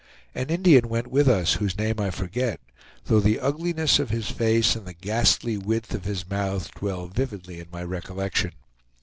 An Indian went with us, whose name I forget, though the ugliness of his face and the ghastly width of his mouth dwell vividly in my recollection.